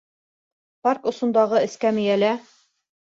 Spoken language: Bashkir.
Парк осондағы эскәмйәлә.